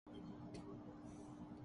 تو اس کا نتیجہ کیا ہو تا ہے۔